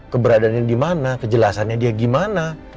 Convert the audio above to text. keberadaannya dimana kejelasannya dia gimana